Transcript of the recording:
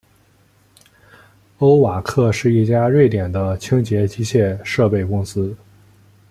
欧瓦克是一家瑞典的清洁机械设备公司。